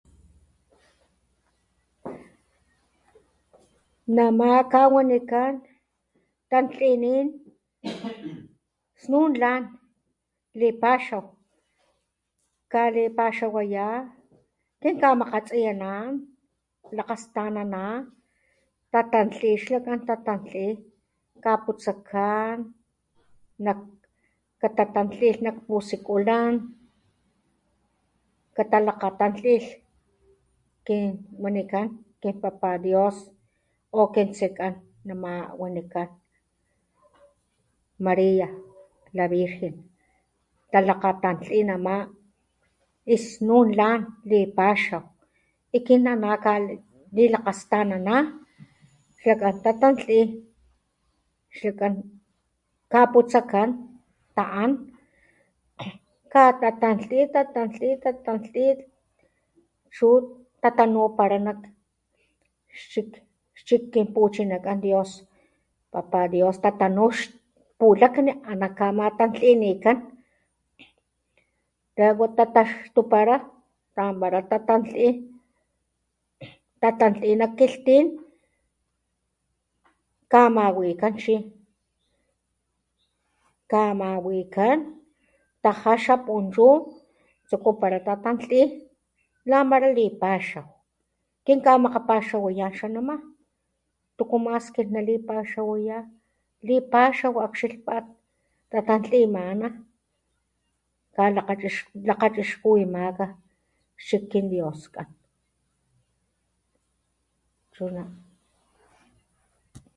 Nama kawanikan tantlinin snun lan lipaxaw kalipaxawaya kinkamakgatsiyanan lakgastanana ta tantli xlakan ta tantli kaputsakan nak katatantlih nak pusikulan katalakgatantlilh kin wanikan kin papa Dios o kin tsekan nama wanikan Maria la virgen talakgatantli nama y snun lan lipaxaw y kin anakalilakgastanana xlakan ta tantli xlakan kaputsakan ta'an katatantli ta tantli ta tantli chu tatanupala nak xchik xchik kin puchinakan Dios papa Dios tatanu xpulakni ana kamatantlinikan luego tataxtupala ta anpala tatantli tatantli nak kilhtin kamawikan chi kamawikan ta jaxa punchu tsukupala tatantli lamala lipaxaw kinkamakgapaxawayan xa nama tuku mas kinnalipaxawaya lipaxaw akxilpat tatantlimana kalakgachixkuwimaka xchik kin Dioskan. Chuna.